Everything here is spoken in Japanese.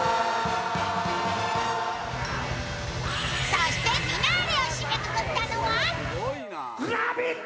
そしてフィナーレを締めくくったのは「ＬＯＶＥＩＴ！